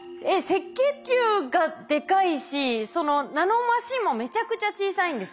赤血球がでかいしそのナノマシンもめちゃくちゃ小さいんですね。